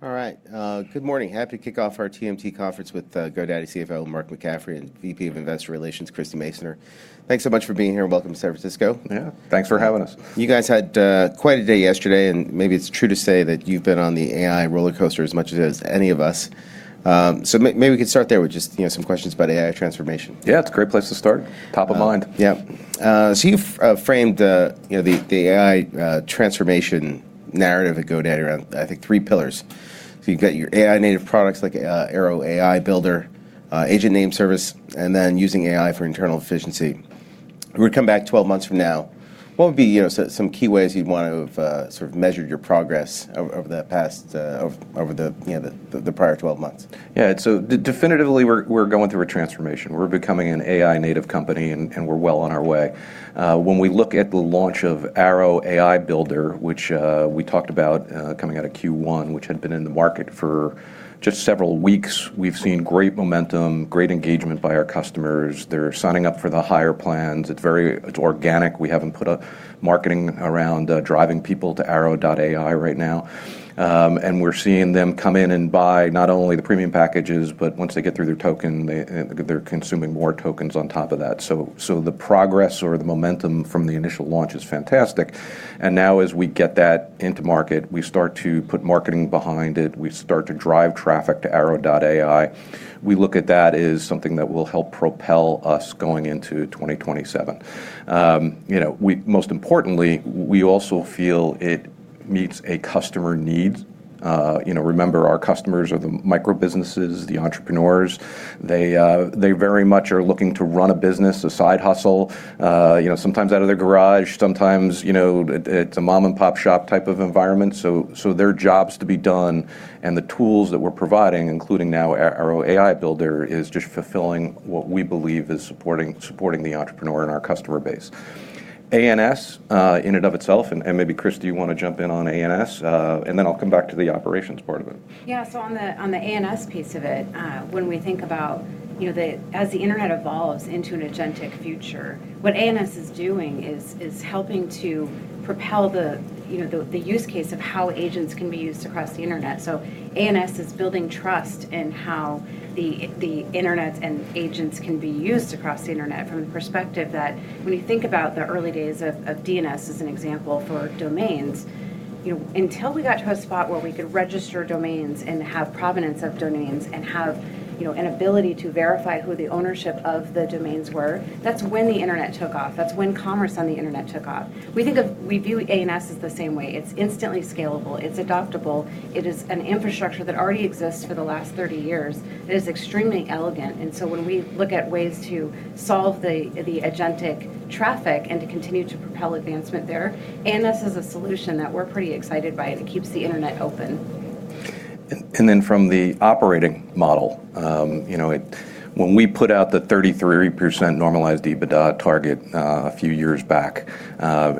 All right. Good morning. Happy to kick off our TMT conference with GoDaddy CFO, Mark McCaffrey, and VP of Investor Relations, Christie Masoner. Thanks so much for being here and welcome to San Francisco. Yeah. Thanks for having us. You guys had quite a day yesterday, and maybe it's true to say that you've been on the AI rollercoaster as much as any of us. Maybe we could start there with just some questions about AI transformation. Yeah, it's a great place to start. Top of mind. You've framed the AI transformation narrative at GoDaddy around, I think, three pillars. You've got your AI native products like Airo AI Builder, Agent Name Service, and then using AI for internal efficiency. If we were to come back 12 months from now, what would be some key ways you'd want to have sort of measured your progress over the prior 12 months? Yeah. Definitively, we're going through a transformation. We're becoming an AI native company, and we're well on our way. When we look at the launch of Airo AI Builder, which we talked about coming out of Q1, which had been in the market for just several weeks, we've seen great momentum, great engagement by our customers. They're signing up for the higher plans. It's organic. We haven't put marketing around driving people to airo.ai right now. We're seeing them come in and buy not only the premium packages, but once they get through their token, they're consuming more tokens on top of that. The progress or the momentum from the initial launch is fantastic. Now as we get that into market, we start to put marketing behind it. We start to drive traffic to airo.ai. We look at that as something that will help propel us going into 2027. Most importantly, we also feel it meets a customer need. Remember our customers are the micro-businesses, the entrepreneurs. They very much are looking to run a business, a side hustle, sometimes out of their garage, sometimes it's a mom-and-pop shop type of environment. There are jobs to be done, and the tools that we're providing, including now Airo AI Builder, is just fulfilling what we believe is supporting the entrepreneur and our customer base. ANS in and of itself, and maybe Christie, you want to jump in on ANS, and then I'll come back to the operations part of it. Yeah. On the ANS piece of it, when we think about as the internet evolves into an agentic future, what ANS is doing is helping to propel the use case of how agents can be used across the internet. ANS is building trust in how the internet and agents can be used across the internet from the perspective that when you think about the early days of DNS as an example for domains, until we got to a spot where we could register domains and have provenance of domains and have an ability to verify who the ownership of the domains were, that's when the internet took off. That's when commerce on the internet took off. We view ANS as the same way. It's instantly scalable. It's adaptable. It is an infrastructure that already exists for the last 30 years. It is extremely elegant, and so when we look at ways to solve the agentic traffic and to continue to propel advancement there, ANS is a solution that we're pretty excited by, and it keeps the internet open. From the operating model, when we put out the 33% normalized EBITDA target a few years back,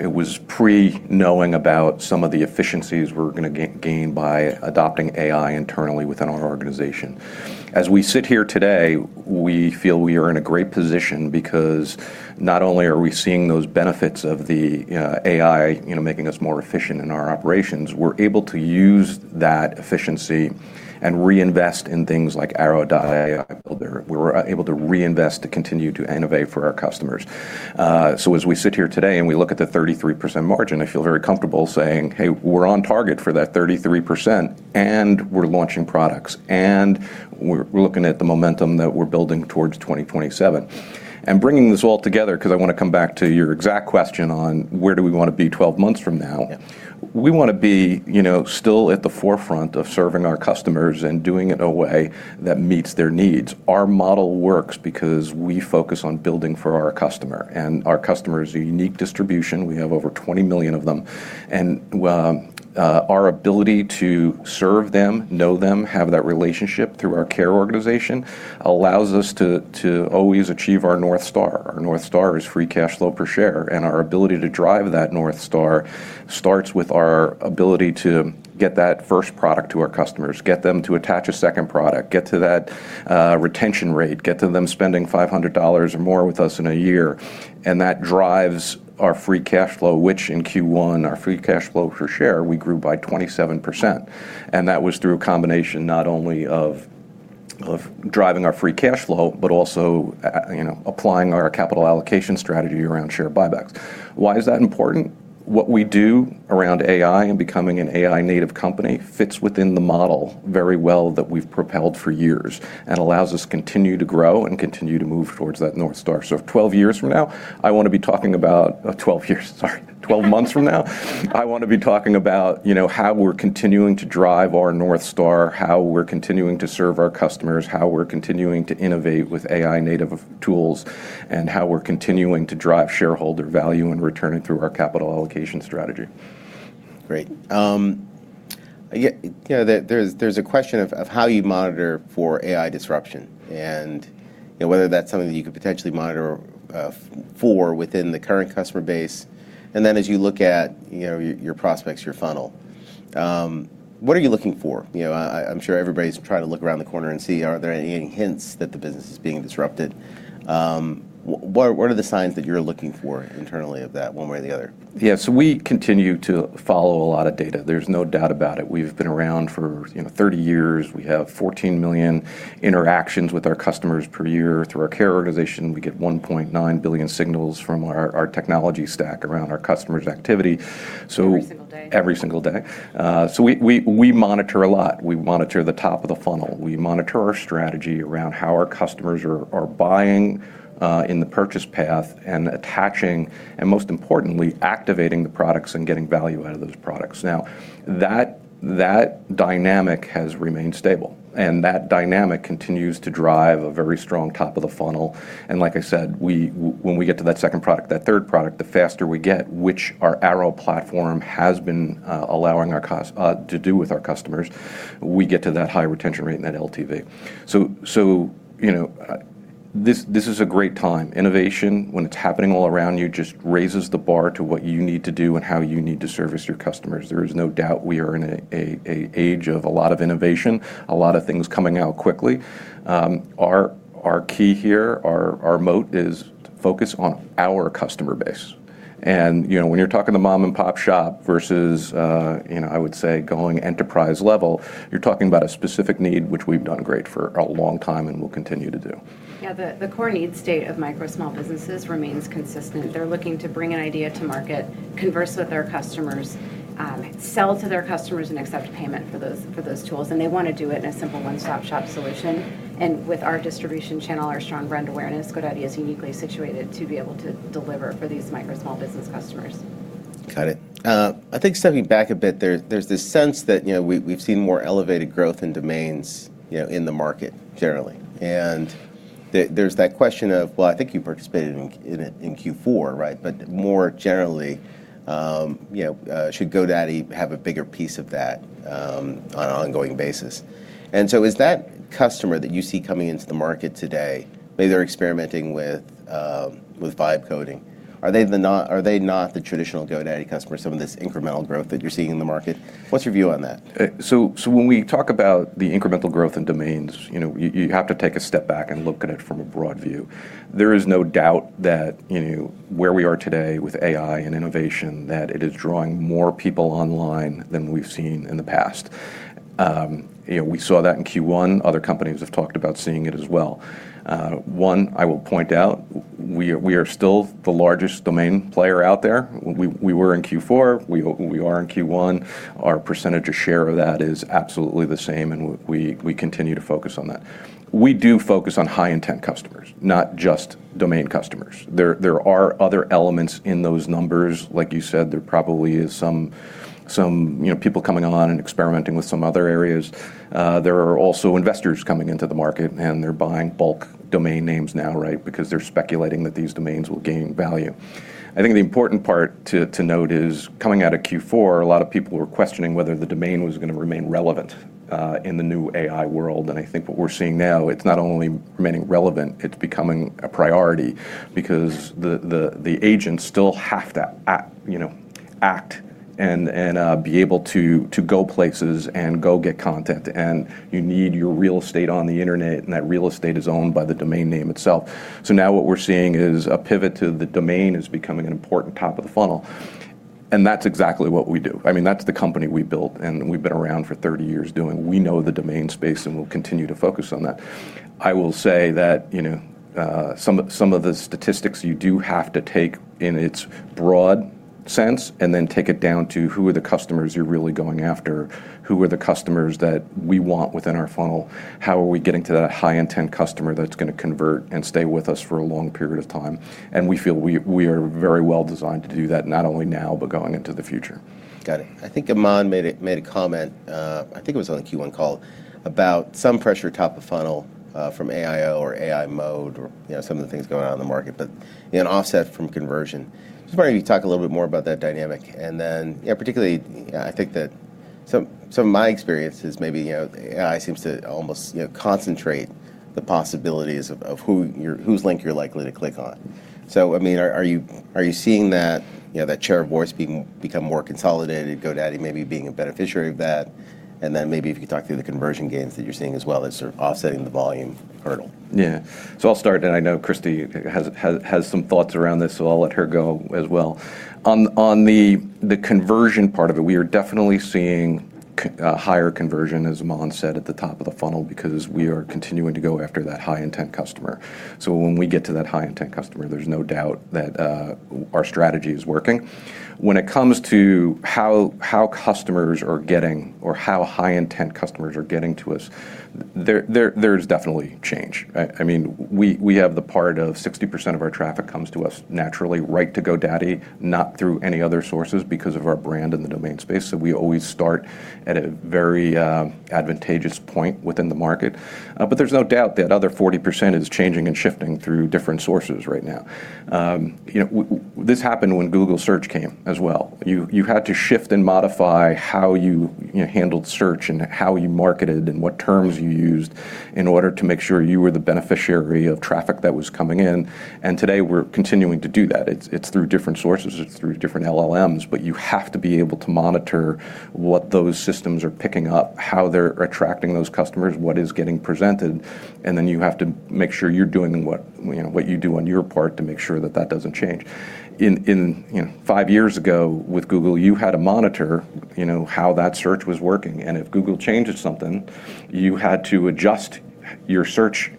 it was pre-knowing about some of the efficiencies we were going to gain by adopting AI internally within our organization. As we sit here today, we feel we are in a great position because not only are we seeing those benefits of the AI making us more efficient in our operations, we're able to use that efficiency and reinvest in things like Airo AI Builder. We're able to reinvest to continue to innovate for our customers. As we sit here today and we look at the 33% margin, I feel very comfortable saying, "Hey, we're on target for that 33%, and we're launching products, and we're looking at the momentum that we're building towards 2027." Bringing this all together, because I want to come back to your exact question on where do we want to be 12 months from now. We want to be still at the forefront of serving our customers and doing it in a way that meets their needs. Our model works because we focus on building for our customer, and our customer is a unique distribution. We have over 20 million of them. And our ability to serve them, know them, have that relationship through our care organization, allows us to always achieve our North Star. Our North Star is free cash flow per share, and our ability to drive that North Star starts with our ability to get that first product to our customers, get them to attach a second product, get to that retention rate, get to them spending $500 or more with us in a year. That drives our free cash flow, which in Q1, our free cash flow per share, we grew by 27%. That was through a combination not only of driving our free cash flow, but also applying our capital allocation strategy around share buybacks. Why is that important? What we do around AI and becoming an AI-native company fits within the model very well that we've propelled for years and allows us continue to grow and continue to move towards that North Star. 12 years from now, I want to be talking about 12 years, sorry. 12 months from now, I want to be talking about how we're continuing to drive our North Star, how we're continuing to serve our customers, how we're continuing to innovate with AI-native tools, and how we're continuing to drive shareholder value and return it through our capital allocation strategy. Great. There's a question of how you monitor for AI disruption, and whether that's something that you could potentially monitor for within the current customer base. As you look at your prospects, your funnel, what are you looking for? I'm sure everybody's trying to look around the corner and see, are there any hints that the business is being disrupted? What are the signs that you're looking for internally of that, one way or the other? Yeah. We continue to follow a lot of data. There's no doubt about it. We've been around for 30 years. We have 14 million interactions with our customers per year through our care organization. We get 1.9 billion signals from our technology stack around our customers' activity. Every single day. Every single day. We monitor a lot. We monitor the top of the funnel. We monitor our strategy around how our customers are buying in the purchase path, and attaching, and most importantly, activating the products and getting value out of those products. Now, that dynamic has remained stable, and that dynamic continues to drive a very strong top of the funnel. Like I said, when we get to that second product, that third product, the faster we get, which our Airo platform has been allowing to do with our customers, we get to that high retention rate and that LTV. This is a great time. Innovation, when it's happening all around you, just raises the bar to what you need to do and how you need to service your customers. There is no doubt we are in an age of a lot of innovation, a lot of things coming out quickly. Our key here, our moat, is to focus on our customer base. When you're talking the mom-and-pop shop versus, I would say going enterprise level, you're talking about a specific need, which we've done great for a long time and will continue to do. Yeah. The core need state of micro small businesses remains consistent. They're looking to bring an idea to market, converse with their customers, sell to their customers, and accept payment for those tools. They want to do it in a simple one-stop-shop solution. With our distribution channel, our strong brand awareness, GoDaddy is uniquely situated to be able to deliver for these micro small business customers. Got it. I think stepping back a bit, there's this sense that we've seen more elevated growth in domains in the market generally. There's that question of, well, I think you participated in it in Q4, right? More generally, should GoDaddy have a bigger piece of that on an ongoing basis? Is that customer that you see coming into the market today, maybe they're experimenting with vibe coding, are they not the traditional GoDaddy customer, some of this incremental growth that you're seeing in the market? What's your view on that? When we talk about the incremental growth in domains, you have to take a step back and look at it from a broad view. There is no doubt that where we are today with AI and innovation, that it is drawing more people online than we've seen in the past. We saw that in Q1. Other companies have talked about seeing it as well. One, I will point out, we are still the largest domain player out there. We were in Q4, we are in Q1. Our % of share of that is absolutely the same, and we continue to focus on that. We do focus on high-intent customers, not just domain customers. There are other elements in those numbers. Like you said, there probably is some people coming on and experimenting with some other areas. There are also investors coming into the market, and they're buying bulk domain names now, right? They're speculating that these domains will gain value. I think the important part to note is, coming out of Q4, a lot of people were questioning whether the domain was going to remain relevant in the new AI world. I think what we're seeing now, it's not only remaining relevant, it's becoming a priority. The agents still have to act, and be able to go places and go get content. You need your real estate on the internet, and that real estate is owned by the domain name itself. Now what we're seeing is a pivot to the domain is becoming an important top of the funnel, and that's exactly what we do. That's the company we built, and we've been around for 30 years doing. We know the domain space, and we'll continue to focus on that. I will say that some of the statistics you do have to take in its broad sense, and then take it down to, who are the customers you're really going after? Who are the customers that we want within our funnel? How are we getting to that high-intent customer that's going to convert and stay with us for a long period of time? We feel we are very well designed to do that, not only now, but going into the future. Got it. I think Aman made a comment, I think it was on the Q1 call, about some pressure top of funnel from AIO or AI mode or some of the things going on in the market. An offset from conversion. Just wondering if you could talk a little bit more about that dynamic, and then particularly, my experience is maybe AI seems to almost concentrate the possibilities of whose link you're likely to click on. Are you seeing that share of voice become more consolidated, GoDaddy maybe being a beneficiary of that? Then maybe if you could talk through the conversion gains that you're seeing as well as sort of offsetting the volume hurdle. Yeah. I'll start, and I know Christie has some thoughts around this, so I'll let her go as well. On the conversion part of it, we are definitely seeing higher conversion, as Aman said, at the top of the funnel because we are continuing to go after that high-intent customer. When we get to that high-intent customer, there's no doubt that our strategy is working. When it comes to how customers are getting, or how high-intent customers are getting to us, there's definitely change. We have the part of 60% of our traffic comes to us naturally, right to GoDaddy, not through any other sources because of our brand in the domain space. We always start at a very advantageous point within the market. There's no doubt that other 40% is changing and shifting through different sources right now. This happened when Google Search came as well. You had to shift and modify how you handled search and how you marketed and what terms you used in order to make sure you were the beneficiary of traffic that was coming in. Today, we're continuing to do that. It's through different sources, it's through different LLMs, but you have to be able to monitor what those systems are picking up, how they're attracting those customers, what is getting presented, and then you have to make sure you're doing what you do on your part to make sure that that doesn't change. Five years ago, with Google, you had to monitor how that search was working, and if Google changed something, you had to adjust your search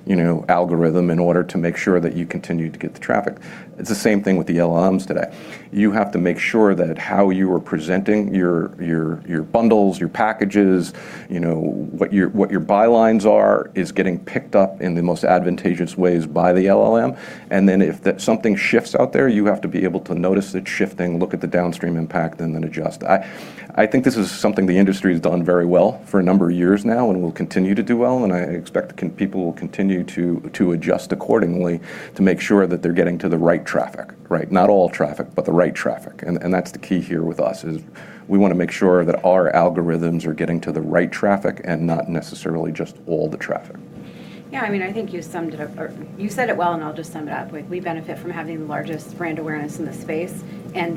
algorithm in order to make sure that you continued to get the traffic. It's the same thing with the LLMs today. You have to make sure that how you are presenting your bundles, your packages, what your bylines are, is getting picked up in the most advantageous ways by the LLM. If something shifts out there, you have to be able to notice it shifting, look at the downstream impact, and then adjust. I think this is something the industry has done very well for a number of years now, and will continue to do well. I expect people will continue to adjust accordingly to make sure that they're getting to the right traffic. Not all traffic, but the right traffic. That's the key here with us, is we want to make sure that our algorithms are getting to the right traffic and not necessarily just all the traffic. I think you summed it up, or you said it well, I'll just sum it up. We benefit from having the largest brand awareness in the space, and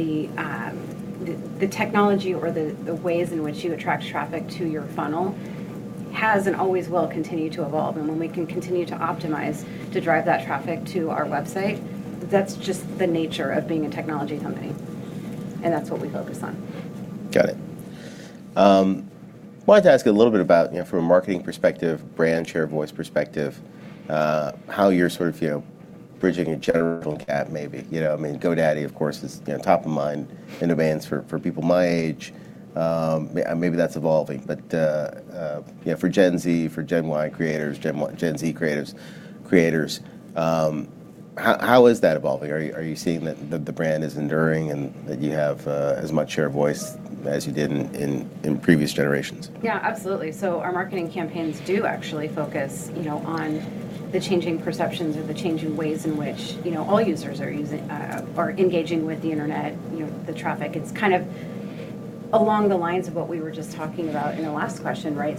the technology or the ways in which you attract traffic to your funnel has and always will continue to evolve. When we can continue to optimize to drive that traffic to our website, that's just the nature of being a technology company, and that's what we focus on. Got it. Wanted to ask a little bit about from a marketing perspective, brand share voice perspective, how you're sort of bridging a generational gap maybe. GoDaddy, of course, is top of mind in domains for people my age. Maybe that's evolving, for Gen Z, for Gen Y creators, Gen Z creators, how is that evolving? Are you seeing that the brand is enduring and that you have as much share of voice as you did in previous generations? Yeah, absolutely. Our marketing campaigns do actually focus on the changing perceptions or the changing ways in which all users are engaging with the internet, the traffic. It's kind of along the lines of what we were just talking about in the last question, right?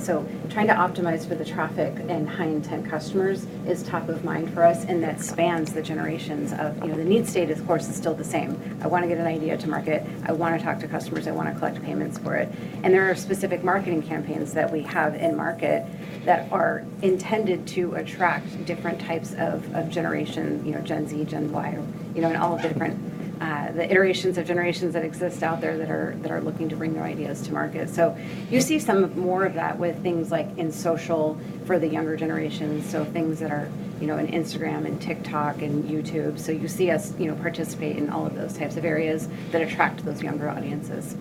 Trying to optimize for the traffic and high-intent customers is top of mind for us, and that spans the generations of The need state, of course, is still the same. I want to get an idea to market. I want to talk to customers. I want to collect payments for it. There are specific marketing campaigns that we have in market that are intended to attract different types of generation, Gen Z, Gen Y, and all of the different iterations of generations that exist out there that are looking to bring their ideas to market. You see some more of that with things like in social for the younger generations, so things that are in Instagram, in TikTok, in YouTube. You see us participate in all of those types of areas that attract those younger audiences.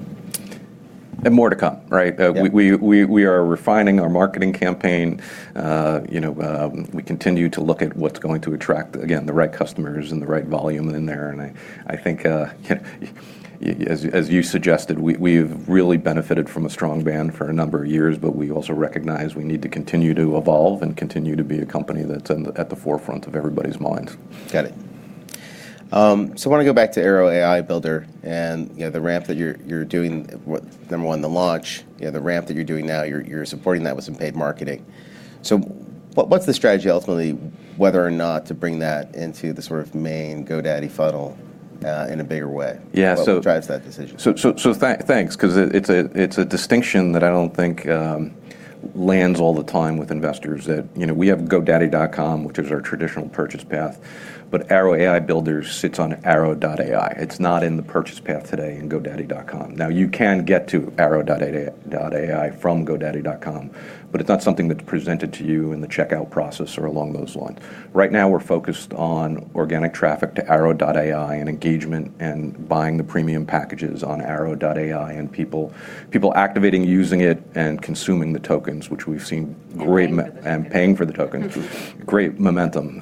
More to come, right? We are refining our marketing campaign. We continue to look at what's going to attract, again, the right customers and the right volume in there. I think as you suggested, we've really benefited from a strong brand for a number of years, but we also recognize we need to continue to evolve and continue to be a company that's at the forefront of everybody's minds. Got it. I want to go back to Airo AI Builder and the ramp that you're doing, number one, the launch, the ramp that you're doing now, you're supporting that with some paid marketing. What's the strategy, ultimately, whether or not to bring that into the sort of main GoDaddy funnel in a bigger way? Yeah. What drives that decision? Thanks, because it's a distinction that I don't think lands all the time with investors that we have GoDaddy.com, which is our traditional purchase path, but Airo AI Builder sits on airo.ai. It's not in the purchase path today in GoDaddy.com. Now, you can get to airo.ai from GoDaddy.com, but it's not something that's presented to you in the checkout process or along those lines. Right now, we're focused on organic traffic to airo.ai, and engagement, and buying the premium packages on airo.ai, and people activating using it, and consuming the tokens, which we've seen great. Paying for the tokens. Great momentum.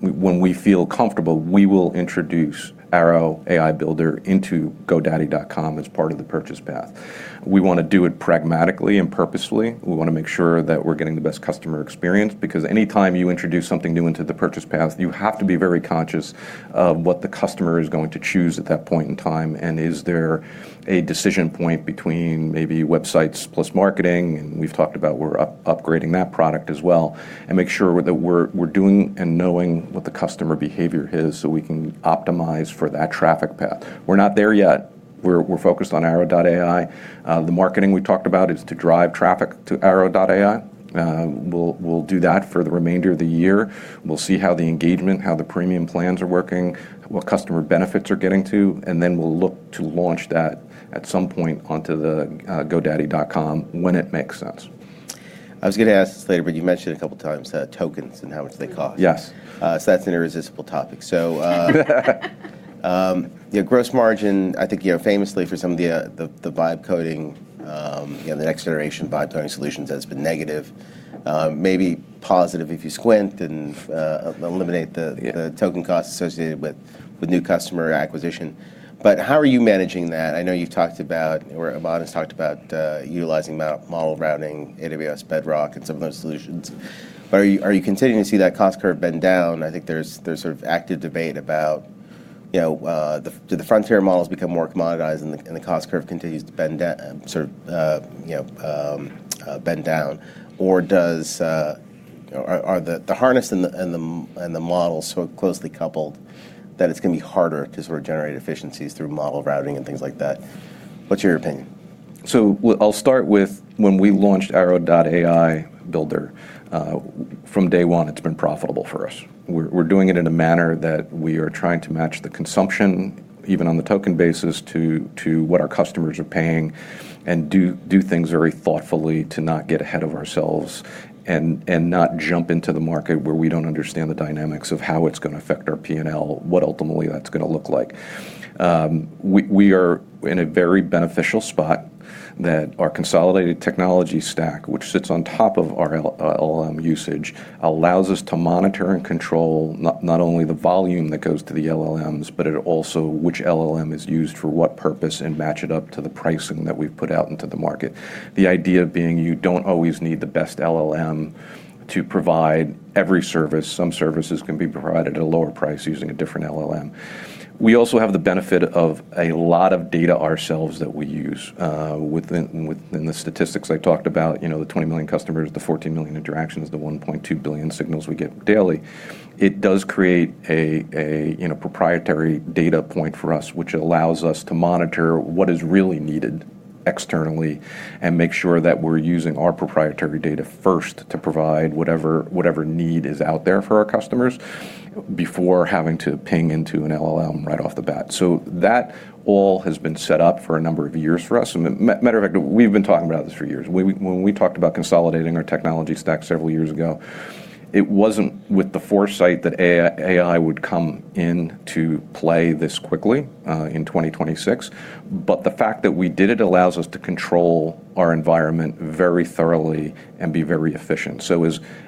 When we feel comfortable, we will introduce Airo AI Builder into godaddy.com as part of the purchase path. We want to do it pragmatically and purposefully. We want to make sure that we're getting the best customer experience, because any time you introduce something new into the purchase path, you have to be very conscious of what the customer is going to choose at that point in time, and is there a decision point between maybe Websites + Marketing, and we've talked about we're upgrading that product as well, and make sure that we're doing and knowing what the customer behavior is so we can optimize for that traffic path. We're not there yet. We're focused on airo.ai. The marketing we talked about is to drive traffic to airo.ai. We'll do that for the remainder of the year. We'll see how the engagement, how the premium plans are working, what customer benefits are getting to, and then we'll look to launch that at some point onto the godaddy.com when it makes sense. I was going to ask this later, but you mentioned a couple of times tokens and how much they cost. Yes. That's an irresistible topic. Yeah, gross margin, I think, famously for some of the vibe coding, the next generation of vibe coding solutions has been negative. Token cost associated with new customer acquisition. How are you managing that? I know you've talked about, or Aman Bhutani talked about utilizing model routing, AWS Bedrock, and some of those solutions. Are you continuing to see that cost curve bend down? I think there's sort of active debate about do the frontier models become more commoditized and the cost curve continues to bend down? Are the harness and the models so closely coupled that it's going to be harder to sort of generate efficiencies through model routing and things like that? What's your opinion? I'll start with when we launched Airo AI Builder. From day one, it's been profitable for us. We're doing it in a manner that we are trying to match the consumption, even on the token basis, to what our customers are paying and do things very thoughtfully to not get ahead of ourselves and not jump into the market where we don't understand the dynamics of how it's going to affect our P&L, what ultimately that's going to look like. We are in a very beneficial spot that our consolidated technology stack, which sits on top of our LLM usage, allows us to monitor and control not only the volume that goes to the LLMs, but also which LLM is used for what purpose and match it up to the pricing that we've put out into the market. The idea being you don't always need the best LLM to provide every service. Some services can be provided at a lower price using a different LLM. We also have the benefit of a lot of data ourselves that we use. Within the statistics I talked about, the 20 million customers, the 14 million interactions, the 1.2 billion signals we get daily. It does create a proprietary data point for us, which allows us to monitor what is really needed externally and make sure that we're using our proprietary data first to provide whatever need is out there for our customers before having to ping into an LLM right off the bat. That all has been set up for a number of years for us. Matter of fact, we've been talking about this for years. When we talked about consolidating our technology stack several years ago, it wasn't with the foresight that AI would come into play this quickly in 2026. The fact that we did it allows us to control our environment very thoroughly and be very efficient.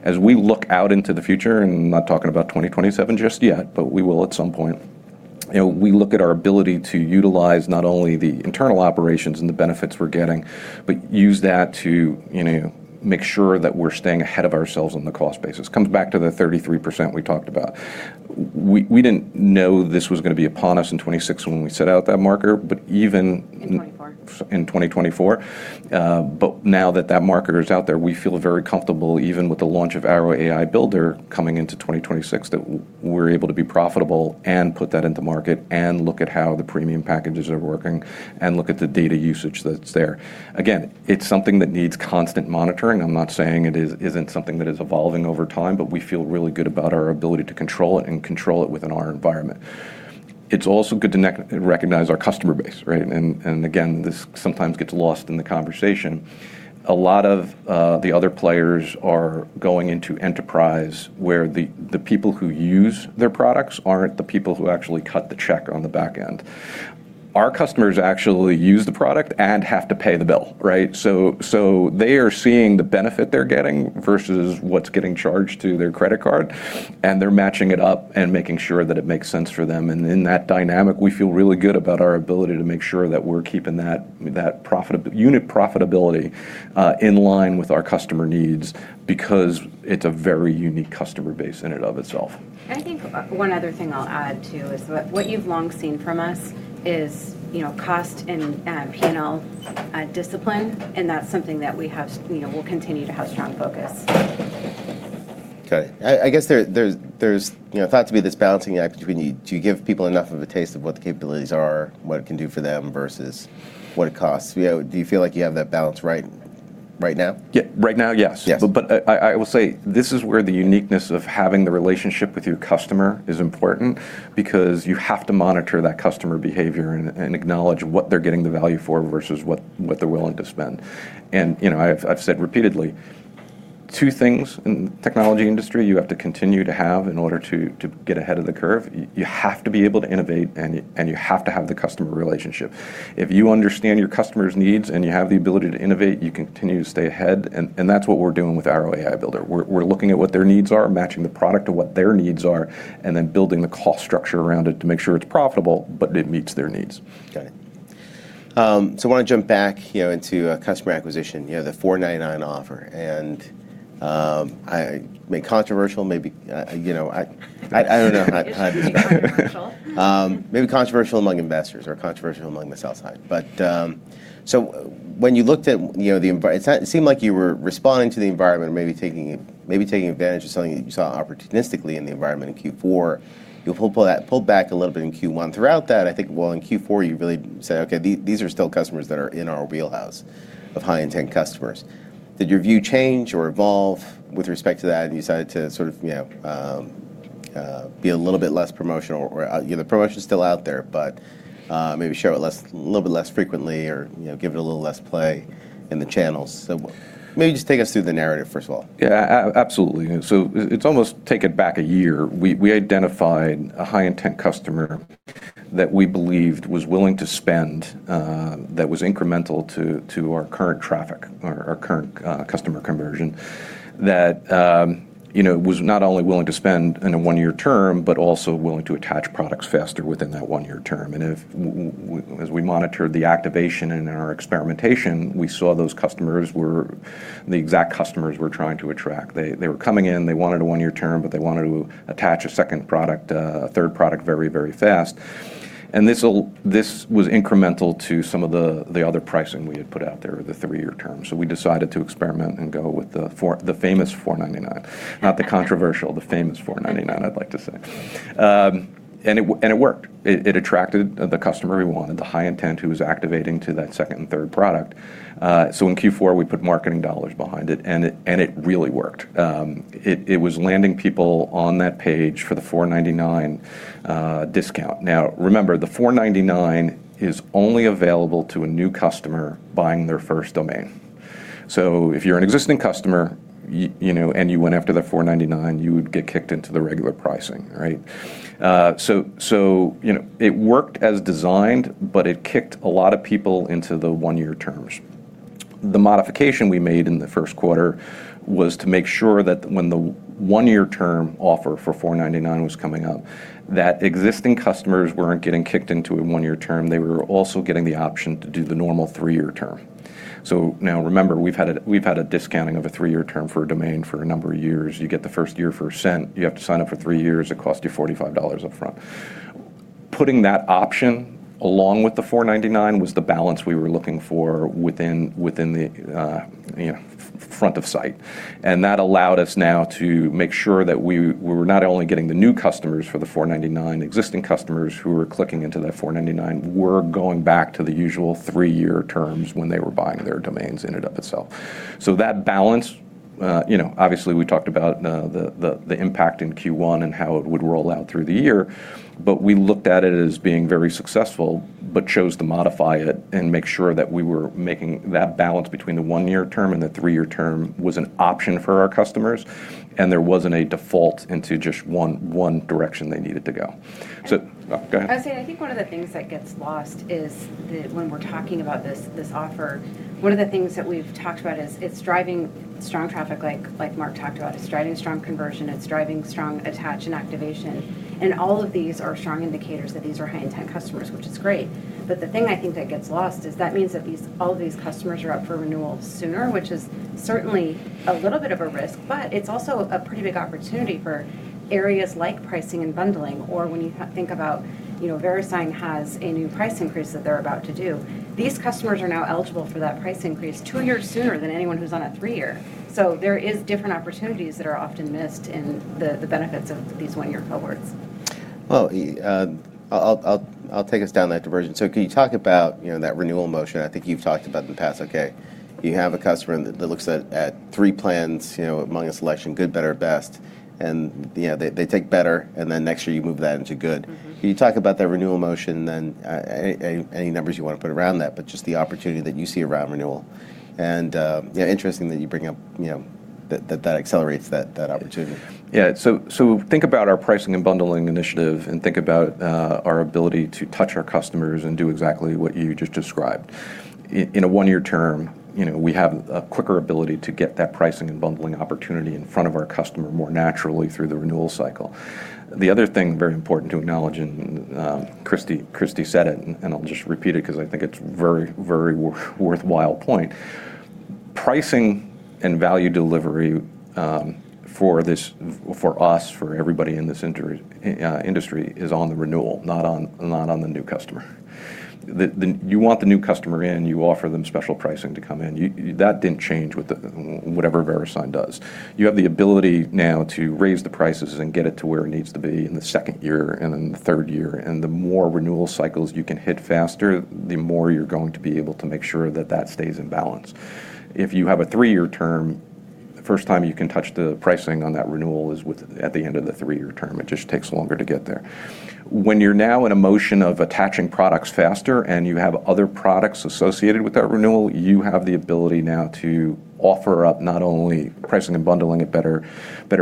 As we look out into the future, and I'm not talking about 2027 just yet, but we will at some point, we look at our ability to utilize not only the internal operations and the benefits we're getting, but use that to make sure that we're staying ahead of ourselves on the cost basis. Comes back to the 33% we talked about. We didn't know this was going to be upon us in 2026 when we set out that marker. In 2024. Now that that marker is out there, we feel very comfortable, even with the launch of Airo AI Builder coming into 2026, that we're able to be profitable and put that into market and look at how the premium packages are working and look at the data usage that's there. Again, it's something that needs constant monitoring. I'm not saying it isn't something that is evolving over time, but we feel really good about our ability to control it and control it within our environment. It's also good to recognize our customer base, right? Again, this sometimes gets lost in the conversation. A lot of the other players are going into enterprise, where the people who use their products aren't the people who actually cut the check on the back end. Our customers actually use the product and have to pay the bill, right? They are seeing the benefit they're getting versus what's getting charged to their credit card, and they're matching it up and making sure that it makes sense for them. In that dynamic, we feel really good about our ability to make sure that we're keeping that unit profitability in line with our customer needs, because it's a very unique customer base in and of itself. I think one other thing I'll add, too, is what you've long seen from us is cost and P&L discipline. That's something that we'll continue to have strong focus. Okay. I guess there's thought to be this balancing act between, do you give people enough of a taste of what the capabilities are, what it can do for them, versus what it costs? Do you feel like you have that balance right now? Yeah. Right now, yes. I will say, this is where the uniqueness of having the relationship with your customer is important, because you have to monitor that customer behavior and acknowledge what they're getting the value for versus what they're willing to spend. I've said repeatedly, two things in technology industry you have to continue to have in order to get ahead of the curve. You have to be able to innovate, and you have to have the customer relationship. If you understand your customer's needs and you have the ability to innovate, you continue to stay ahead, and that's what we're doing with Airo AI Builder. We're looking at what their needs are, matching the product to what their needs are, and then building the cost structure around it to make sure it's profitable, but it meets their needs. I want to jump back into customer acquisition, the $4.99 offer. Maybe controversial, I don't know how to take that. Controversial. Maybe controversial among investors or controversial among the sell side. When you looked at the environment, it seemed like you were responding to the environment or maybe taking advantage of something that you saw opportunistically in the environment in Q4. You pulled back a little bit in Q1. Throughout that, I think, well, in Q4 you really said, "Okay, these are still customers that are in our wheelhouse of high-intent customers." Did your view change or evolve with respect to that, and you decided to be a little bit less promotional? Or the promotion's still out there, but maybe share it a little bit less frequently or give it a little less play in the channels. Maybe just take us through the narrative, first of all? Yeah, absolutely. It's almost take it back a year. We identified a high-intent customer that we believed was willing to spend, that was incremental to our current traffic or our current customer conversion, that was not only willing to spend in a one-year term, but also willing to attach products faster within that one-year term. As we monitored the activation and our experimentation, we saw those customers were the exact customers we're trying to attract. They were coming in, they wanted a one-year term, but they wanted to attach a second product, a third product very fast. This was incremental to some of the other pricing we had put out there, the three-year term. We decided to experiment and go with the famous $4.99. Not the controversial, the famous $4.99, I'd like to say. It worked. It attracted the customer we wanted, the high intent, who was activating to that second and third product. In Q4, we put marketing dollars behind it, and it really worked. It was landing people on that page for the $4.99 discount. Now, remember, the $4.99 is only available to a new customer buying their first domain. If you're an existing customer, and you went after the $4.99, you would get kicked into the regular pricing. Right. It worked as designed, but it kicked a lot of people into the one-year terms. The modification we made in the Q1 was to make sure that when the one-year term offer for $4.99 was coming up, that existing customers weren't getting kicked into a one-year term. They were also getting the option to do the normal three-year term. Now remember, we've had a discounting of a three-year term for a domain for a number of years. You get the first year for $0.01. You have to sign up for three years, it costs you $45 up front. Putting that option along with the $4.99 was the balance we were looking for within the front of site. That allowed us now to make sure that we were not only getting the new customers for the $4.99, existing customers who were clicking into that $4.99 were going back to the usual three-year terms when they were buying their domains ended up itself. That balance, obviously we talked about, the impact in Q1 and how it would roll out through the year. We looked at it as being very successful, but chose to modify it and make sure that we were making that balance between the one-year term and the three-year term was an option for our customers, and there wasn't a default into just one direction they needed to go. Go ahead. I would say, I think one of the things that gets lost is that when we're talking about this offer, one of the things that we've talked about is it's driving strong traffic, like Mark talked about. It's driving strong conversion, it's driving strong attach and activation. All of these are strong indicators that these are high intent customers, which is great. The thing I think that gets lost is that means that all of these customers are up for renewal sooner, which is certainly a little bit of a risk, but it's also a pretty big opportunity for areas like pricing and bundling, or when you think about Verisign has a new price increase that they're about to do. These customers are now eligible for that price increase two years sooner than anyone who's on a three-year. There is different opportunities that are often missed in the benefits of these one-year cohorts. Well, I'll take us down that diversion. Can you talk about that renewal motion? I think you've talked about in the past, okay, you have a customer that looks at three plans among a selection, good, better, best, and they take better, and then next year you move that into good. Can you talk about that renewal motion then, any numbers you want to put around that, but just the opportunity that you see around renewal, and interesting that you bring up that that accelerates that opportunity. Yeah. Think about our pricing and bundling initiative, and think about our ability to touch our customers and do exactly what you just described. In a one-year term, we have a quicker ability to get that pricing and bundling opportunity in front of our customer more naturally through the renewal cycle. The other thing very important to acknowledge, and Christie said it and I'll just repeat it because I think it's very worthwhile point. Pricing and value delivery, for us, for everybody in this industry is on the renewal, not on the new customer. You want the new customer in, you offer them special pricing to come in. That didn't change with whatever Verisign does. You have the ability now to raise the prices and get it to where it needs to be in the second year and in the third year. The more renewal cycles you can hit faster, the more you're going to be able to make sure that that stays in balance. If you have a three-year term, the first time you can touch the pricing on that renewal is at the end of the three-year term. It just takes longer to get there. When you're now in a motion of attaching products faster and you have other products associated with that renewal, you have the ability now to offer up not only pricing and bundling at better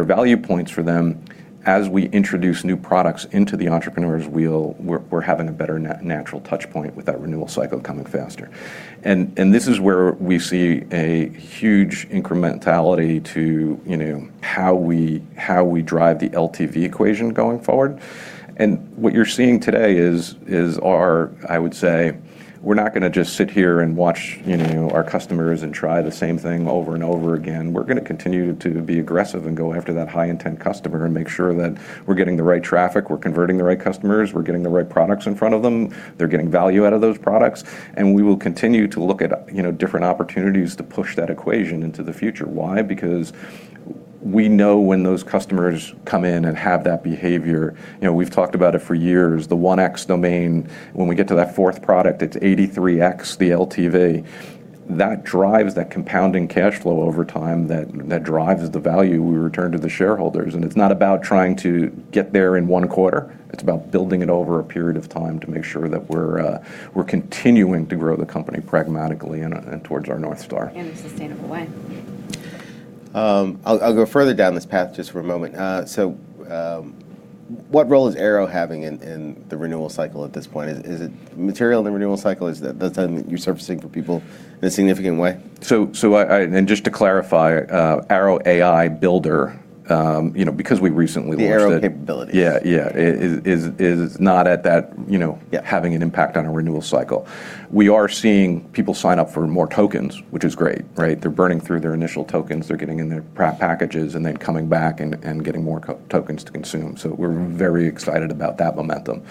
value points for them. As we introduce new products into the entrepreneur's wheel, we're having a better natural touch point with that renewal cycle coming faster. This is where we see a huge incrementality to how we drive the LTV equation going forward. What you're seeing today is our, I would say, we're not going to just sit here and watch our customers and try the same thing over and over again. We're going to continue to be aggressive and go after that high-intent customer and make sure that we're getting the right traffic, we're converting the right customers, we're getting the right products in front of them, they're getting value out of those products. We will continue to look at different opportunities to push that equation into the future. Why? Because we know when those customers come in and have that behavior, we've talked about it for years, the 1X domain, when we get to that fourth product, it's 83x the LTV. That drives that compounding cash flow over time that drives the value we return to the shareholders. It's not about trying to get there in one quarter, it's about building it over a period of time to make sure that we're continuing to grow the company pragmatically and towards our North Star. In a sustainable way. I'll go further down this path just for a moment. What role is Airo having in the renewal cycle at this point? Is it material in the renewal cycle? Is that something that you're surfacing for people in a significant way? And just to clarify, Airo AI Builder, because we recently launched it. The Airo capabilities. Yeah. Having an impact on a renewal cycle. We are seeing people sign up for more tokens, which is great, right? They're burning through their initial tokens. They're getting in their packages and then coming back and getting more tokens to consume. We're very excited about that momentum.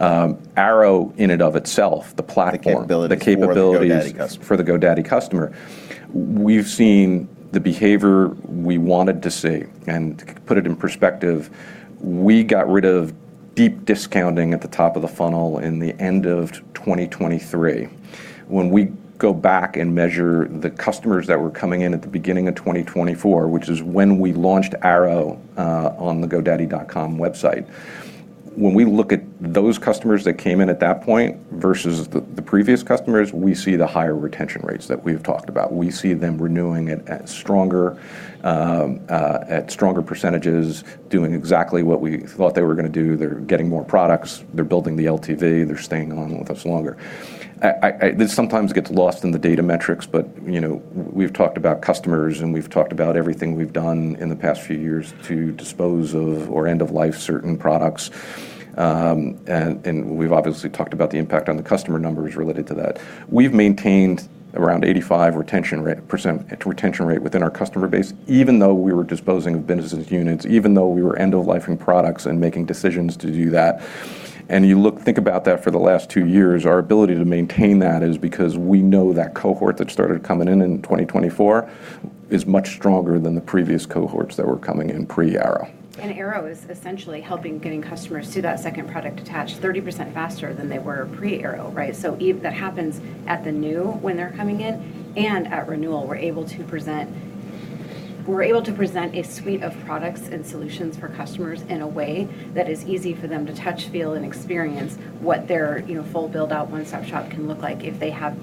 Airo in and of itself, the platform The capabilities for the GoDaddy customer, we've seen the behavior we wanted to see. To put it in perspective, we got rid of deep discounting at the top of the funnel in the end of 2023. We go back and measure the customers that were coming in at the beginning of 2024, which is when we launched Airo on the godaddy.com website. We look at those customers that came in at that point versus the previous customers, we see the higher retention rates that we've talked about. We see them renewing at stronger %, doing exactly what we thought they were going to do. They're getting more products, they're building the LTV, they're staying along with us longer. This sometimes gets lost in the data metrics, but we've talked about customers, and we've talked about everything we've done in the past few years to dispose of, or end of life certain products. We've obviously talked about the impact on the customer numbers related to that. We've maintained around 85% retention rate within our customer base, even though we were disposing of business units, even though we were end-of-lifing products and making decisions to do that. You think about that for the last two years, our ability to maintain that is because we know that cohort that started coming in in 2024 is much stronger than the previous cohorts that were coming in pre-Airo. Airo is essentially helping getting customers to that second product attach 30% faster than they were pre-Airo, right? If that happens at the new when they're coming in, and at renewal, we're able to present a suite of products and solutions for customers in a way that is easy for them to touch, feel, and experience what their full build-out one-stop shop can look like if they have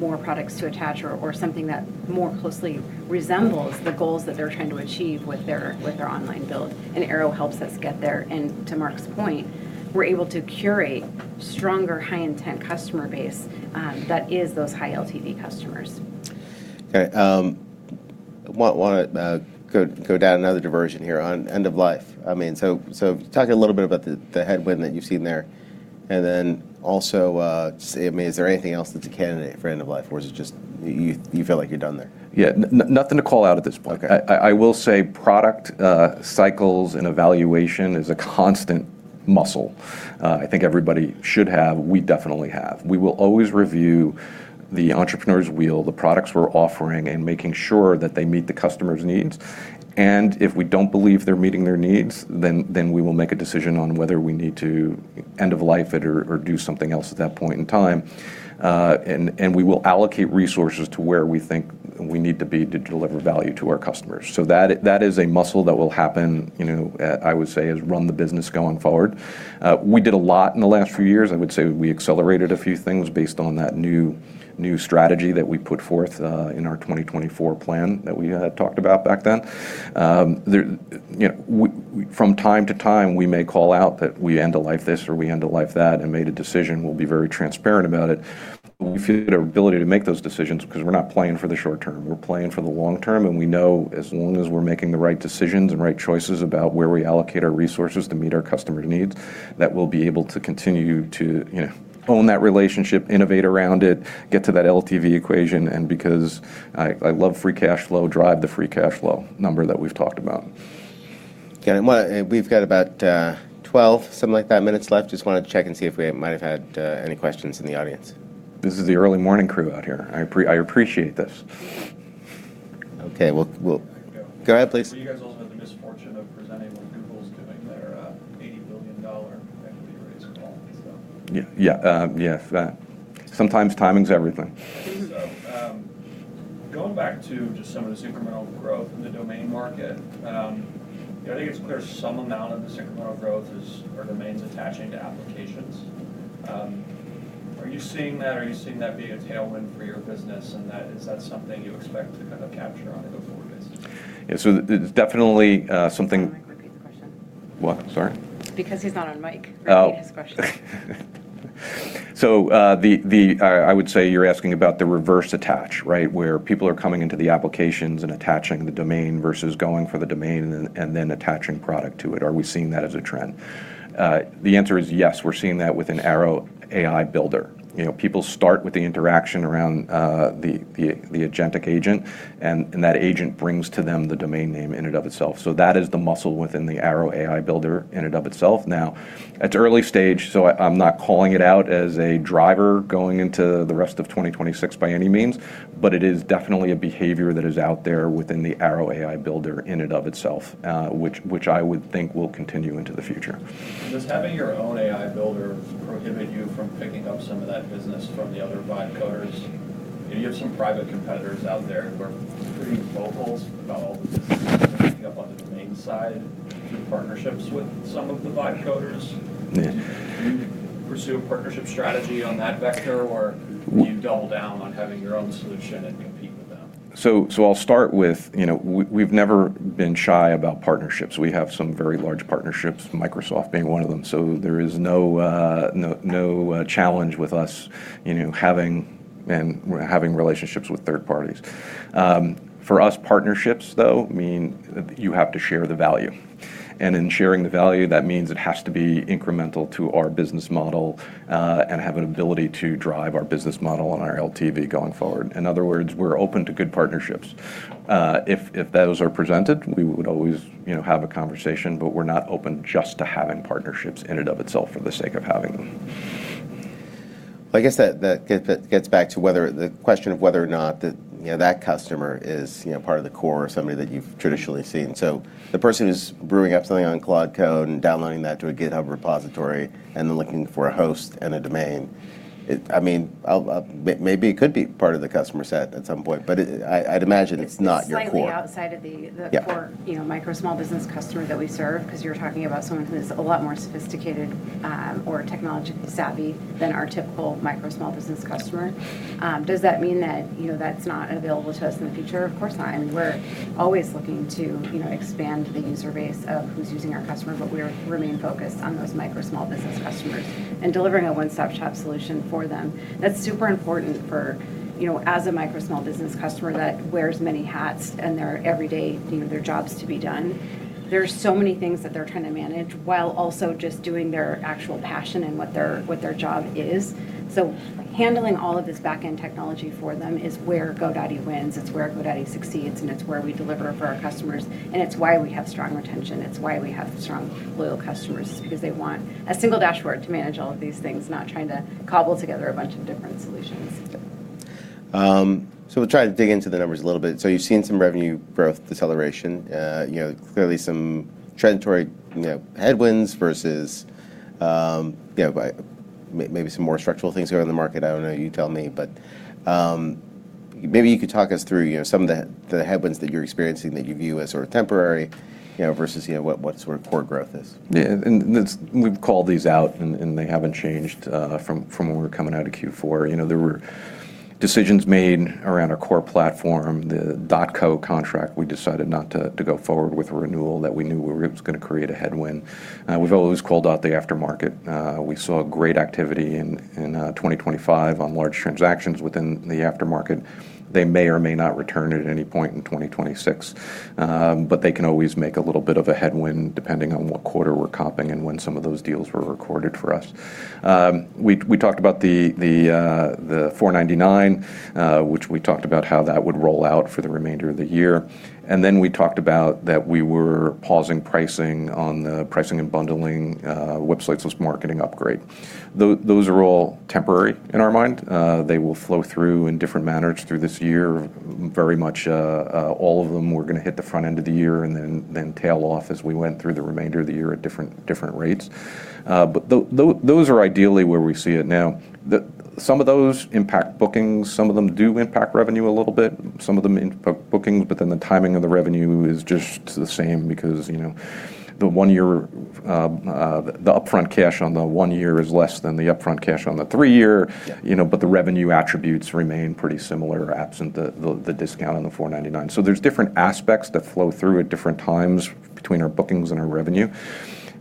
more products to attach or something that more closely resembles the goals that they're trying to achieve with their online build. Airo helps us get there. To Mark's point, we're able to curate stronger high-intent customer base that is those high-LTV customers. Okay. Want to go down another diversion here on end of life. Talk a little bit about the headwind that you've seen there, and then also, is there anything else that's a candidate for end of life, or is it just you feel like you're done there? Yeah. Nothing to call out at this point. I will say product cycles and evaluation is a constant muscle. I think everybody should have. We definitely have. We will always review the entrepreneur's wheel, the products we're offering, and making sure that they meet the customer's needs. If we don't believe they're meeting their needs, we will make a decision on whether we need to end of life it or do something else at that point in time. We will allocate resources to where we think we need to be to deliver value to our customers. That is a muscle that will happen, I would say, as run the business going forward. We did a lot in the last few years. I would say we accelerated a few things based on that new strategy that we put forth in our 2024 plan that we had talked about back then. From time to time, we may call out that we end of life this or we end of life that, and made a decision. We'll be very transparent about it. We feel the ability to make those decisions because we're not playing for the short term, we're playing for the long term, and we know as long as we're making the right decisions and right choices about where we allocate our resources to meet our customers' needs, that we'll be able to continue to own that relationship, innovate around it, get to that LTV equation, and because I love free cash flow, drive the free cash flow number that we've talked about. Okay. We've got about 12, something like that, minutes left. Just wanted to check and see if we might have had any questions in the audience. This is the early morning crew out here. I appreciate this. Okay. Well, go ahead, please. You guys also have the misfortune of presenting what Google's doing, their $80 billion equity raise as well, so. Yeah. Sometimes timing's everything. Going back to just some of the super-linear growth in the domain market, I think it's clear some amount of the super-linear growth are domains attaching to applications. Are you seeing that? Are you seeing that being a tailwind for your business? Is that something you expect to kind of capture on an ongoing basis? Yeah, it's definitely something. Tell to repeat the question. What? Sorry. Because he's not on mic. Oh. Repeat his question. I would say you're asking about the reverse attach, right? Where people are coming into the applications and attaching the domain versus going for the domain and then attaching product to it. Are we seeing that as a trend? The answer is yes, we're seeing that within Airo AI Builder. People start with the interaction around the agentic agent, and that agent brings to them the domain name in and of itself. That is the muscle within the Airo AI Builder in and of itself. It's early stage, so I'm not calling it out as a driver going into the rest of 2026 by any means, but it is definitely a behavior that is out there within the Airo AI Builder in and of itself, which I would think will continue into the future. Does having your own AI Builder prohibit you from picking up some of that business from the other vibe coders? You have some private competitors out there who are pretty vocal about all the business you're picking up on the domain side through partnerships with some of the vibe coders. Yeah. Do you pursue a partnership strategy on that vector, or do you double down on having your own solution and compete with them? I'll start with, we've never been shy about partnerships. We have some very large partnerships, Microsoft being one of them. There is no challenge with us having relationships with third parties. For us, partnerships though, mean you have to share the value, and in sharing the value, that means it has to be incremental to our business model, and have an ability to drive our business model and our LTV going forward. In other words, we're open to good partnerships. If those are presented, we would always have a conversation, but we're not open just to having partnerships in and of itself for the sake of having them. I guess that gets back to the question of whether or not that customer is part of the core or somebody that you've traditionally seen. The person who's brewing up something on Claude Code and downloading that to a GitHub repository and then looking for a host and a domain, maybe it could be part of the customer set at some point, but I'd imagine it's not your core. It's slightly outside of the core micro small business customer that we serve, because you're talking about someone who's a lot more sophisticated or technologically savvy than our typical micro small business customer. Does that mean that's not available to us in the future? Of course not. We're always looking to expand the user base of who's using our platform, but we remain focused on those micro small business customers and delivering a one-stop-shop solution for them. That's super important for, as a micro small business customer that wears many hats in their everyday jobs to be done, there's so many things that they're trying to manage while also just doing their actual passion and what their job is. Handling all of this back-end technology for them is where GoDaddy wins, it's where GoDaddy succeeds, and it's where we deliver for our customers, and it's why we have strong retention. It's why we have strong, loyal customers, because they want a single dashboard to manage all of these things, not trying to cobble together a bunch of different solutions. We'll try to dig into the numbers a little bit. You've seen some revenue growth deceleration, clearly some transitory headwinds versus maybe some more structural things going on in the market. I don't know, you tell me. Maybe you could talk us through some of the headwinds that you're experiencing that you view as temporary, versus what core growth is. Yeah. We've called these out, and they haven't changed from when we were coming out of Q4. There were decisions made around our core platform, the .co contract, we decided not to go forward with a renewal that we knew was going to create a headwind. We've always called out the aftermarket. We saw great activity in 2025 on large transactions within the aftermarket. They may or may not return at any point in 2026. They can always make a little bit of a headwind depending on what quarter we're comping and when some of those deals were recorded for us. We talked about the $4.99, which we talked about how that would roll out for the remainder of the year, and then we talked about that we were pausing pricing on the pricing and bundling Websites + Marketing upgrade. Those are all temporary in our mind. They will flow through in different manners through this year, very much all of them were going to hit the front end of the year and then tail off as we went through the remainder of the year at different rates. Those are ideally where we see it now. Some of those impact bookings. Some of them do impact revenue a little bit. Some of them impact bookings, the timing of the revenue is just the same because the upfront cash on the one-year is less than the upfront cash on the three-year. The revenue attributes remain pretty similar absent the discount on the 4.99. There's different aspects that flow through at different times between our bookings and our revenue.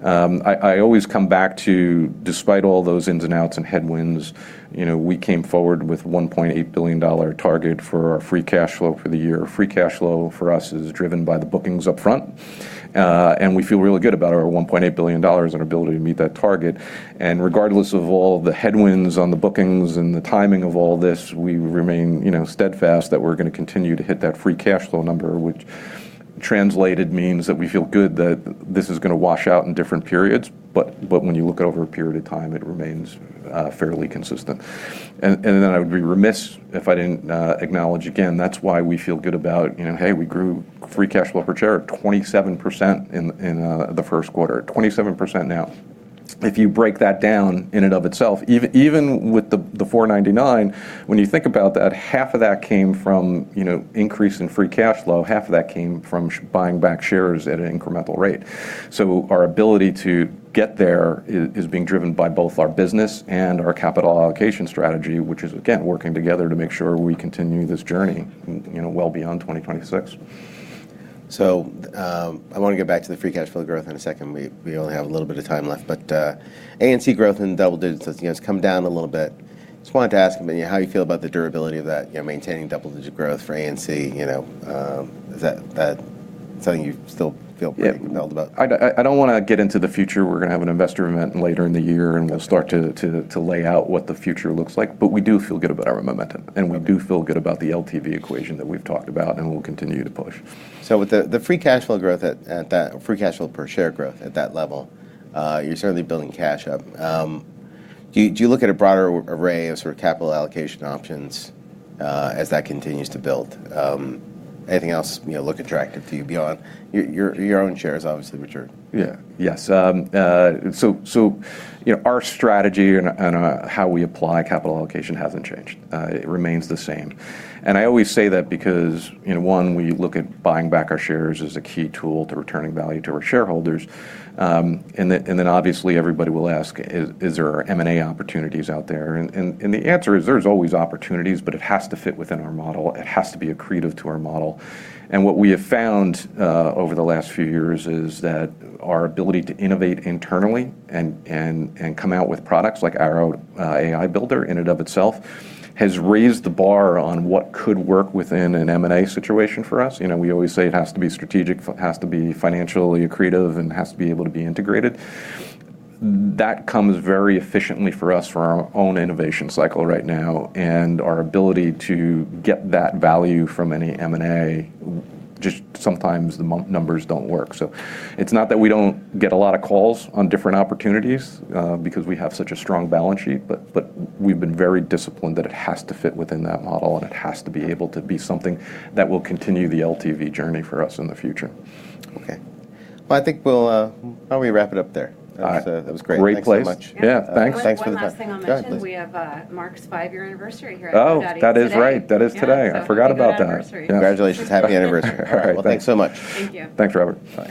I always come back to, despite all those ins and outs and headwinds, we came forward with $1.8 billion target for our free cash flow for the year. Free cash flow for us is driven by the bookings upfront. We feel really good about our $1.8 billion and our ability to meet that target. Regardless of all the headwinds on the bookings and the timing of all this, we remain steadfast that we're going to continue to hit that free cash flow number, which translated means that we feel good that this is going to wash out in different periods, but when you look over a period of time, it remains fairly consistent. I would be remiss if I didn't acknowledge again, that's why we feel good about, hey, we grew free cash flow per share of 27% in the Q1. 27% now. If you break that down in and of itself, even with the 4.99, when you think about that, half of that came from increase in free cash flow, half of that came from buying back shares at an incremental rate. Our ability to get there is being driven by both our business and our capital allocation strategy, which is, again, working together to make sure we continue this journey well beyond 2026. I want to go back to the free cash flow growth in a second. We only have a little bit of time left. ARPU growth in double digits has come down a little bit. Just wanted to ask how you feel about the durability of that, maintaining double-digit growth for ARPU. Is that something you still feel pretty compelled about? I don't want to get into the future. We're going to have an investor event later in the year, and we'll start to lay out what the future looks like. We do feel good about our momentum, and we do feel good about the LTV equation that we've talked about, and will continue to push. With the free cash flow per share growth at that level, you're certainly building cash up. Do you look at a broader array of capital allocation options as that continues to build? Anything else look attractive to you beyond your own shares, obviously, mature? Yeah. Yes. Our strategy and how we apply capital allocation hasn't changed. It remains the same. I always say that because, one, we look at buying back our shares as a key tool to returning value to our shareholders. Then obviously everybody will ask, is there M&A opportunities out there? The answer is there's always opportunities, but it has to fit within our model. It has to be accretive to our model. What we have found over the last few years is that our ability to innovate internally and come out with products, like our AI Builder in and of itself, has raised the bar on what could work within an M&A situation for us. We always say it has to be strategic, has to be financially accretive, and has to be able to be integrated. That comes very efficiently for us for our own innovation cycle right now and our ability to get that value from any M&A, just sometimes the numbers don't work. It's not that we don't get a lot of calls on different opportunities because we have such a strong balance sheet, but we've been very disciplined that it has to fit within that model, and it has to be able to be something that will continue the LTV journey for us in the future. Okay. Well, how about we wrap it up there? All right. That was great. Great place. Thanks so much. Yeah, thanks. Thanks once again. One last thing I'll mention. Go ahead, please. We have Mark's five-year anniversary here at GoDaddy. Oh, that is right. That is today. I forgot about that. Happy anniversary. Congratulations. Happy anniversary. All right. Well, thanks so much. Thank you. Thanks, Robert. Bye.